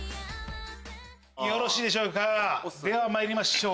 よろしいでしょうかではまいりましょう！